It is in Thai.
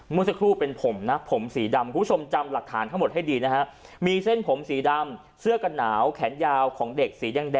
มือสักครู่เป็นผมผมสีดำคุณสมจำหลักฐานให้ดีนะครับ